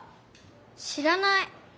知らない。